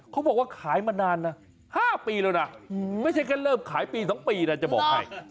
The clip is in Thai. เขาบอกว่าขายมานานนะ๕ปีแล้วนะไม่ใช่แค่เริ่มขายปี๒ปีนะจะบอกให้